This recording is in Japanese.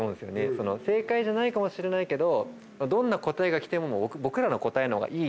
その正解じゃないかもしれないけどどんな答えがきても僕らの答えの方がいい。